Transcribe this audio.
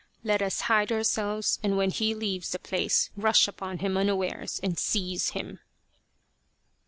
Let us hide ourselves, and when he leaves the place rush upon him unawares and seize him."